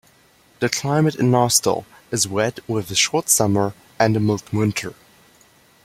The climate in Naustdal is wet with a short summer and a mild winter.